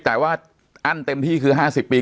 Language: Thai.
แต่ว่าอั้นเต็มที่คือ๕๐ปี